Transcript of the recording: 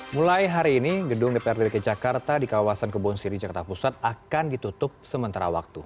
mulai hari ini gedung dprd dki jakarta di kawasan kebon siri jakarta pusat akan ditutup sementara waktu